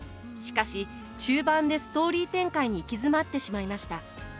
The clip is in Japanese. しかし中盤でストーリー展開に行き詰まってしまいました。